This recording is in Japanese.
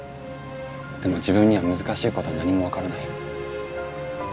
でも自分には難しいことは何も分からない。